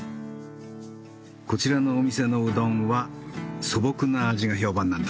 こちらのお店のうどんは素朴な味が評判なんだ。